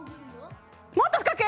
もっと深く？